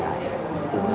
thì cháu còn dài